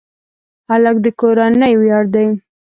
هلک د کورنۍ ویاړ دی.